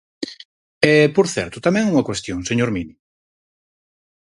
E, por certo, tamén unha cuestión, señor Mini.